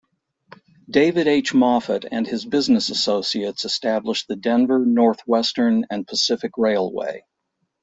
David H. Moffat and his business associates established the Denver, Northwestern and Pacific Railway.